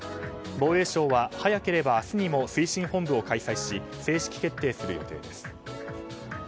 防衛省は早ければ明日にも推進本部を開催し正式決定する予定です。